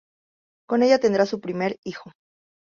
Con ella tendría su primer hijo.